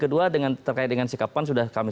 kedua dengan terkait dengan sikapan sudah kami